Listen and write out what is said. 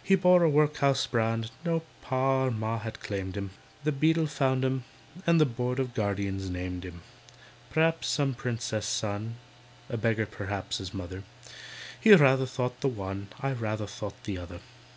He bore a workhouse brand; No Pa or Ma had claimed him, The Beadle found him, and The Board of Guardians named him. P'r'aps some Princess's son— A beggar p'r'aps his mother. He rather thought the one, I rather think the other.